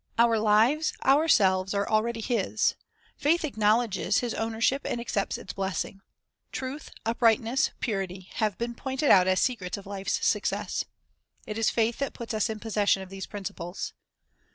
Our lives, ourselves, arc already His; faith acknowledges His ownership and accepts its blessing. Truth, uprightness, purity, have been pointed out as secrets of life's success. It is faith that puts us in possession of these principles.